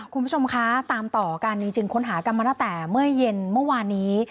คุณผู้ชมคะตามต่อกันจริงค้นหากันมาตั้งแต่เมื่อเย็นเมื่อวานนี้